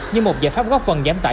như một giải pháp góp phần giảm tải